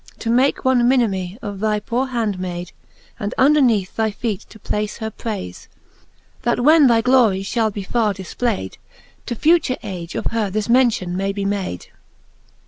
To make one minime of thy poore handmayd, And underneath thy feete to place her prayfe, That when thy glory fhall be farre diijplayd To future age, of her this mention may be made.